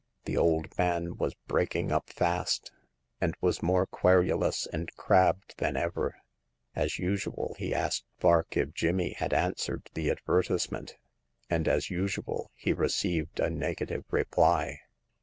The old man was breaking up fast, and was more querulous and crabbed than ever. As usual, he asked Vark if Jimmy had answered the advertise ment, and as usual he received a negative re ply.